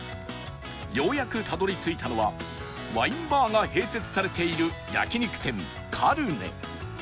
ようやくたどり着いたのはワインバーが併設されている焼肉店カルネ